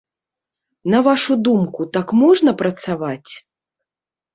На вашу думку, так можна працаваць?